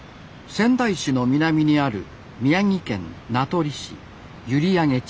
仙台市の南にある宮城県名取市閖上地区